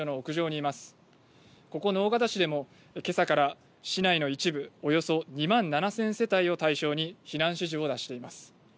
ここ直方市でも今朝から市内の一部およそ２万３０００世帯を対象に避難指示を出しています。